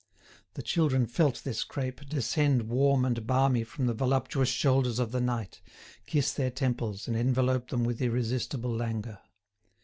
The children felt this crape descend warm and balmy from the voluptuous shoulders of the night, kiss their temples and envelop them with irresistible languor.